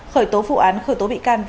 khởi tố phụ án khởi tố bị can